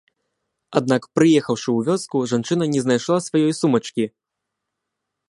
Аднак, прыехаўшы ў вёску, жанчына не знайшла сваёй сумачкі.